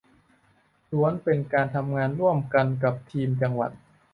ล้วนเป็นการทำงานร่วมกันกับทีมจังหวัด